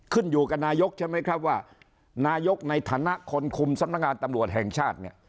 ขึ้นอยู่กับนายกใช่ไหมครับว่านายกในฐานะคนคุมสำนักงานตำรวจแห่งชาติเนี่ย